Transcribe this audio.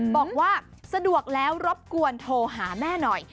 บอกว่าสะดวกแล้วรบกวนโทรหาแม่หน่อย